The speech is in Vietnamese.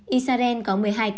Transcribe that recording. israel có một mươi hai